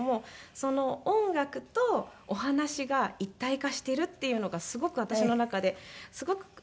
その音楽とお話が一体化してるっていうのがすごく私の中ですごく自分の大切なものに。